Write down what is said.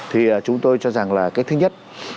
thì chúng tôi cho rằng là cái thứ nhất